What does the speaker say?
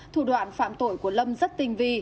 thủ đoạn phạm tội của lâm rất tình vi